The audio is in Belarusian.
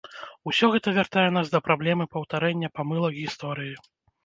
Усё гэта вяртае нас да праблемы паўтарэння памылак гісторыі.